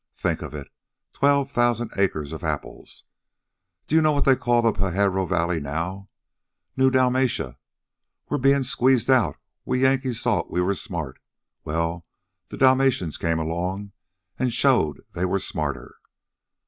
Think of it twelve thousand acres of apples! Do you know what they call Pajaro Valley now? New Dalmatia. We're being squeezed out. We Yankees thought we were smart. Well, the Dalmatians came along and showed they were smarter.